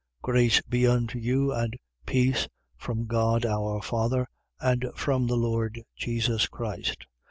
1:2. Grace be unto you and peace, from God our Father and from the Lord Jesus Christ.